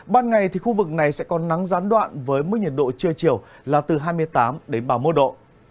ban ngày thì khu vực này sẽ còn nắng gián đoạn với mức nhiệt độ trưa chiều là từ hai mươi tám đến ba mươi một độ